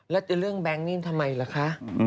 แล้วจะเรื่องแบงค์นี่ทำไมล่ะคะ